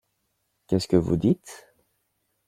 Qu’est-ce que vous dites?